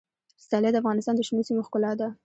پسرلی د افغانستان د شنو سیمو ښکلا ده.